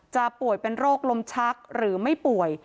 ป่วยเป็นโรคลมชักหรือไม่ป่วย